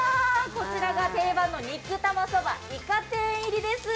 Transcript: こちらが定番の肉玉そばイカ天入りです。